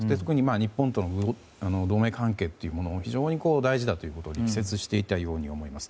日本と同盟関係というものを非常に大事だということを力説していたように思います。